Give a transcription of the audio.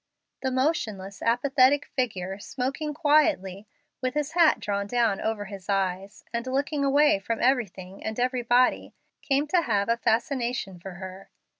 The motionless, apathetic figure, smoking quietly, with his hat drawn down over his eyes, and looking away from everything and everybody, came to have a fascination for her.